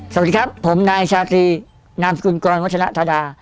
สวัสดีครับผมนายชาตินามสกุลกรณ์วัฒนธรรมดา